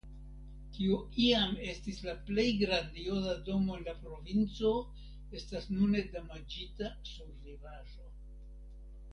Kio iam estis la plej grandioza domo en la provinco estas nune damaĝita survivaĵo.